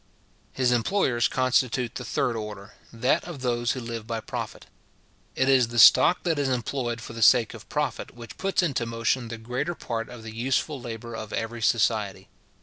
His employers constitute the third order, that of those who live by profit. It is the stock that is employed for the sake of profit, which puts into motion the greater part of the useful labour of every society.